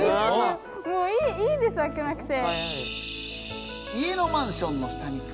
もういいですあけなくて。